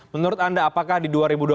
menurut anda apakah di dua ribu dua puluh